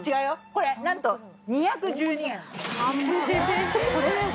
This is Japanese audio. これ何と２１２円。